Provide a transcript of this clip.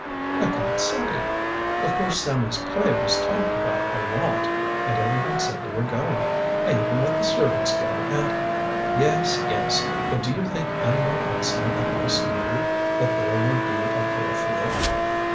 "I can't say. Of course, Sammy's play was talked about a lot, and everyone said they were going. I even let the servants go, and " "Yes, yes! But do you think anyone outside the house knew that there would be a clear field?"